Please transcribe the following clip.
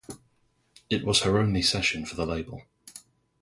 It was her only session for the label.